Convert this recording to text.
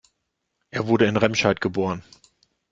Er wurde in Remscheid geboren